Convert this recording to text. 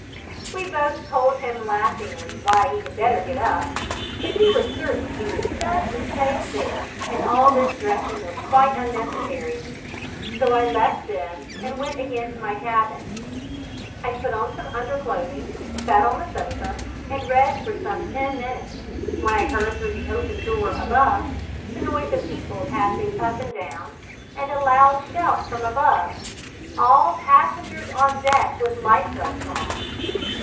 We both told him laughingly why he had better get up, but he was certain he was just as safe there and all this dressing was quite unnecessary; so I left them and went again to my cabin. I put on some underclothing, sat on the sofa, and read for some ten minutes, when I heard through the open door, above, the noise of people passing up and down, and a loud shout from above: "All passengers on deck with lifebelts on."